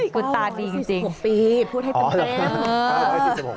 คุณตาดีจริง๙๔๖ปีพูดให้กำแพง